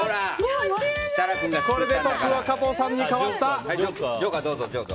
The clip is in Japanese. これでトップは加藤さんに変わった。